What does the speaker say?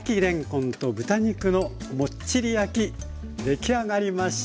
出来上がりました。